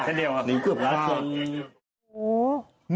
อันนี้เกือบล้างก่อน